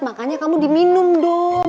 makanya kamu diminum dong